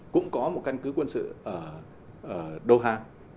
cũng có một căn cứ quân sự ở doha